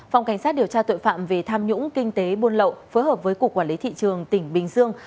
phòng cảnh sát điều tra tội phạm về tham nhũng kinh tế buôn lậu phối hợp với cục quản lý thị trường tỉnh bình dương